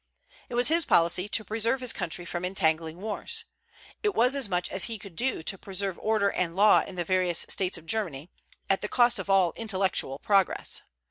It was his policy to preserve his country from entangling wars. It was as much as he could do to preserve order and law in the various States of Germany, at the cost of all intellectual progress.